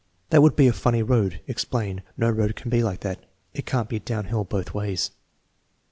"That would be a funny road. (Explain.) No road can be like that. It can't be downhill both ways."